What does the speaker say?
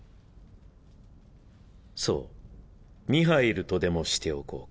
そうミハイルとでもしておこうか。